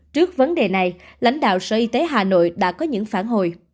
trước vấn đề này lãnh đạo sở y tế hà nội đã có những phản hồi